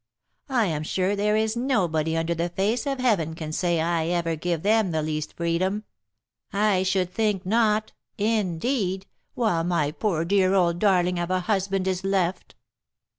I am sure there is nobody under the face of heaven can say I ever give them the least freedom, I should think not, indeed, while my poor dear old darling of a husband is left."